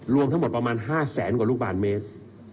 รวมทั้งหมดประมาณ๕แสนกว่าลูกบาทเมตร